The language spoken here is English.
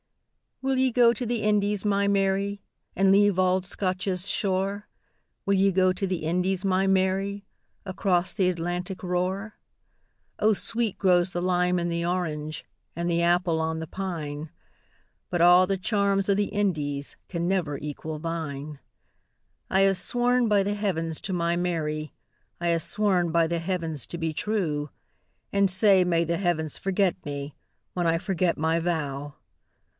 WILL ye go to the Indies, my Mary, And leave auld Scotia's shore? Will ye go to the Indies, my Mary, Across th' Atlantic roar?O sweet grows the lime and the orange, And the apple on the pine; But a' the charms o' the IndiesCan never equal thine.I hae sworn by the Heavens to my Mary,I hae sworn by the Heavens to be true; And sae may the Heavens forget me, When I forget my vow!